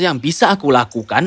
yang bisa aku lakukan